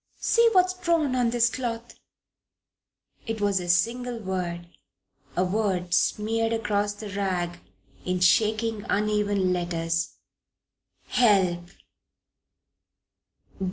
See what's drawn on this cloth " It was a single word a word smeared across the rag in shaking, uneven letters: "HELP!"